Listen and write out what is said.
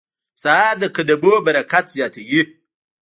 سهار د قدمونو برکت زیاتوي.